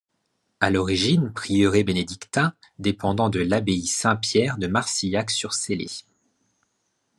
À l'origine, prieuré bénédictin dépendant de l'abbaye Saint-Pierre de Marcilhac-sur-Célé.